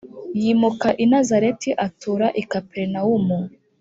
Yimuka i Nazareti atura i Kaperinawumu